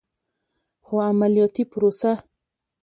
خو عملیاتي پروسه